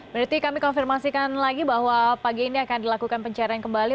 berarti kami konfirmasikan lagi bahwa pagi ini akan dilakukan pencarian kembali